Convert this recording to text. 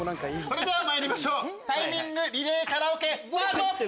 それではまいりましょうタイミングリレーカラオケスタート！